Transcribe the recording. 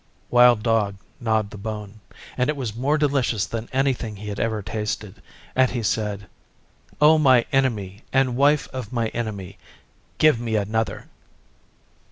Wild Dog gnawed the bone, and it was more delicious than anything he had ever tasted, and he said, 'O my Enemy and Wife of my Enemy, give me another.